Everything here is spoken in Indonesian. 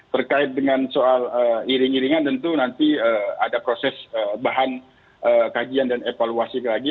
terkait dengan soal iring iringan tentu nanti ada proses bahan kajian dan evaluasi lagi